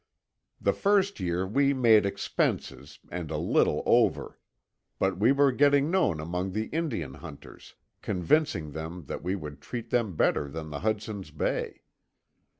"The first year we made expenses, and a little over. But we were getting known among the Indian hunters, convincing them that we would treat them better than the Hudson's Bay.